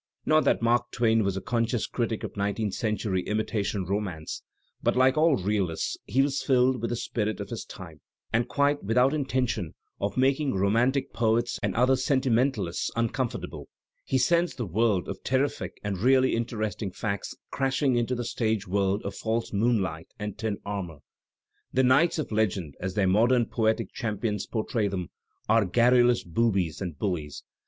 Not that Mark Twain was a conscious critic of nineteenth century imitation romance, but like all realists he was filled with the spirit of his time, and quite without intention of making romantic poets and other sentimentalists uncomfortable, he sends the world Digitized by Google MAEK TWAIN 267 of terrific and really interesting facts crashing into the stage world of false moonlight and tin armour. The knights of legend, as their modem poetic champions portray them, are garrulous boobies and bulUes.